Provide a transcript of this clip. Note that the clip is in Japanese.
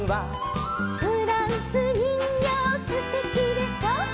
「フランスにんぎょうすてきでしょ」